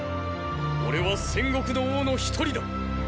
俺は戦国の王の一人だ！